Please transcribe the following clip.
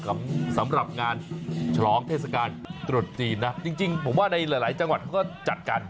สำหรับงานฉลองเทศกาลตรุษจีนนะจริงผมว่าในหลายจังหวัดเขาก็จัดกัน